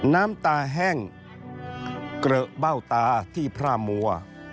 น้ำตาแห้งเกลอะเบ้าตาที่พระมัว